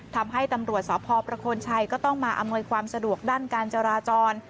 ทำให้ตำรวจสพประโคนชัยก็ต้องมาอำนวยความสะดวกด้านการจราจร